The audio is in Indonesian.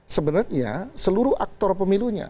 sebenarnya seluruh aktor pemilunya